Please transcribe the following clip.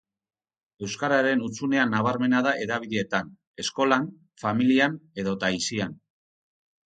Euskararen hutsunea nabarmena da hedabideetan, eskolan, familian edota aisian.